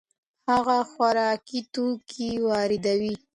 هغوی خوراکي توکي واردوي.